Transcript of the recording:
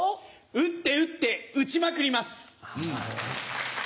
打って打って打ちまくります。